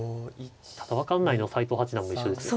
ただ分かんないのは斎藤八段も一緒ですよ。